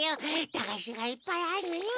だがしがいっぱいあるよ。